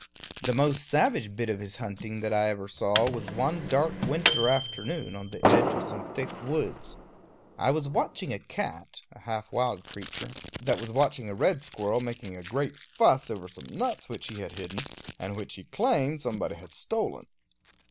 The most savage bit of his hunting that I ever saw was one dark winter afternoon, on the edge of some thick woods. I was watching a cat, a half wild creature, that was watching a red squirrel making a great fuss over some nuts which he had hidden, and which he claimed somebody had stolen.